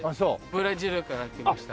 ブラジルから来ました。